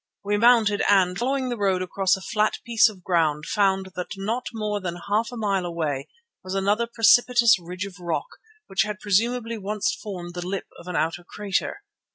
We mounted and, following the road across a flat piece of ground, found that not more than half a mile away was another precipitous ridge of rock which had presumably once formed the lip of an outer crater.